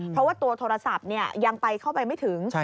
เพราะว่าตัวโทรศัพท์ยังไปเข้าไปไม่ถึง